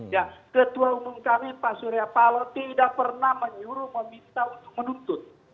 ya ketua umum kami pak surya paloh tidak pernah menyuruh meminta untuk menuntut